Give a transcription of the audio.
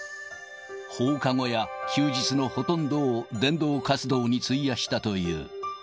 放課後や休日のほとんどを伝道活動に費やしたという。